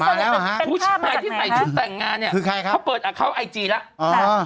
มาแล้วหรือเป็นผู้ชายที่ใส่ชุดแต่งงานเนี่ยเปิดอาคาว์ต์ไอจีแล้ว